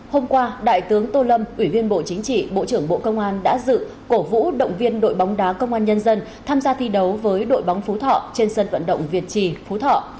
hôm qua đại tướng tô lâm ủy viên bộ chính trị bộ trưởng bộ công an đã dự cổ vũ động viên đội bóng đá công an nhân dân tham gia thi đấu với đội bóng phú thọ trên sân vận động việt trì phú thọ